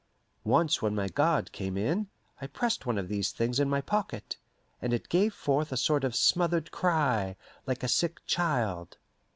Once when my guard came in, I pressed one of these things in my pocket, and it gave forth a sort of smothered cry, like a sick child.